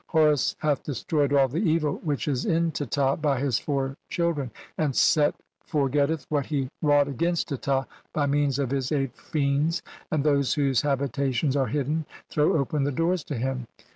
Horus hath destroyed all the evil which 'is in Teta by his four children, and Set forgetteth 'what he wrought against Teta by means of his eight '[fiends], and those whose habitations are hidden throw 'open the doors to him.